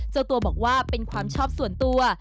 เจ้าตัวบอกว่าเป็นความชอบส่วนตัว